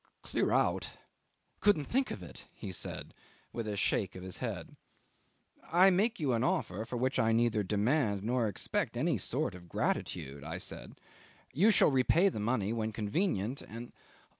"Clear out! Couldn't think of it," he said, with a shake of the head. "I make you an offer for which I neither demand nor expect any sort of gratitude," I said; "you shall repay the money when convenient, and